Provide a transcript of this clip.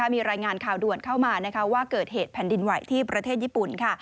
มีรายงานข่าวด่วนเข้ามาว่าเกิดเหตุแผ่นดินไหวที่ประเทศญี่ปุ่นค่ะ